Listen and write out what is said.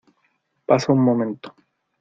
pasa un momento.